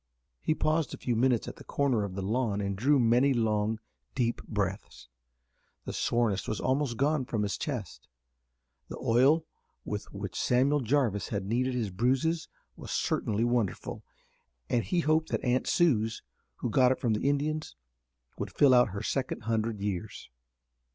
He paused a few minutes at the corner of the lawn and drew many long, deep breaths. The soreness was almost gone from his chest. The oil with which Samuel Jarvis had kneaded his bruises was certainly wonderful, and he hoped that "Aunt Suse," who got it from the Indians, would fill out her second hundred years.